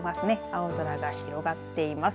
青空が広がっています。